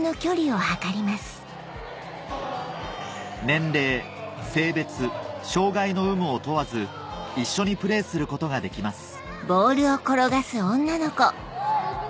年齢性別障がいの有無を問わず一緒にプレーすることができます